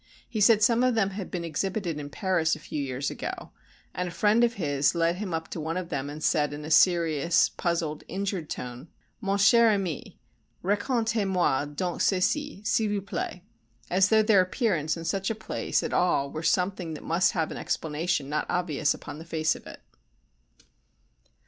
He said some of them had been exhibited in Paris a few years ago and a friend of his led him up to one of them and said in a serious, puzzled, injured tone: "Mon cher ami, racontez moi donc ceci, s'il vous plait," as though their appearance in such a place at all were something that must have an explanation not obvious upon the face of it.